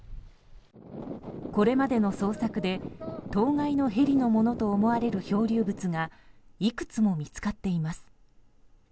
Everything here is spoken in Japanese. これまでの捜索で当該のヘリのものと思われる漂流物がいくつも見つかっています。